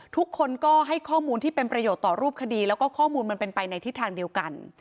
ทุกคนก็ให้ข้อมูลที่เป็นประโยชน์ต่อรูปคดีแล้วก็ข้อมูลมันเป็นไปในทิศทางเดียวกัน